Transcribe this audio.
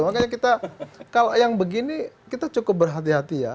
makanya kita kalau yang begini kita cukup berhati hati ya